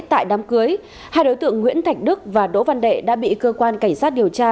tại đám cưới hai đối tượng nguyễn thạch đức và đỗ văn đệ đã bị cơ quan cảnh sát điều tra